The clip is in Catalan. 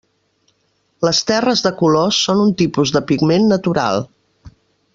Les terres de colors són un tipus de pigment natural.